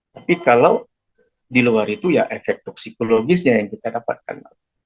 tapi kalau di luar itu ya efek toksikologisnya yang kita dapatkan